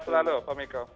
selalu pak miko